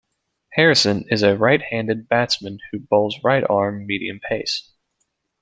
Harrison is a right-handed batsman who bowls right-arm medium pace.